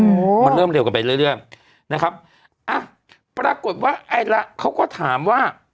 โอ้โหมันเริ่มเร็วกันไปเรื่อยนะครับปรากฏว่าไอละเขาก็ถามว่า